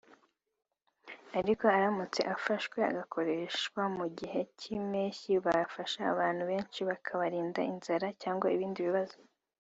ariko aramutse afashwe agakoreshwa mu gihe cy’impeshyi byafasha abantu benshi bikabarinda inzara cyangwa ibindi bibazo